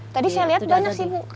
tadi saya lihat banyak sih bu